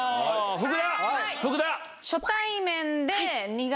福田。